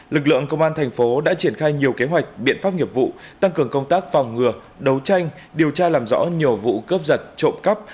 lực lượng công an thành phố đã triển khai nhiều kế hoạch biện pháp nghiệp vụ tăng cường công tác phòng ngừa đấu tranh điều tra làm rõ nhiều vụ cướp giật trộm cắp